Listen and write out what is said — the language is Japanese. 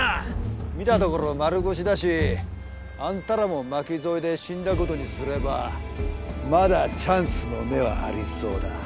見たところ丸腰だしあんたらも巻き添えで死んだ事にすればまだチャンスの目はありそうだ。